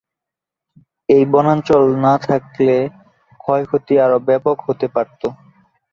এই বনাঞ্চল না থাকলে ক্ষয়ক্ষতি আরো ব্যপক হতে পারত।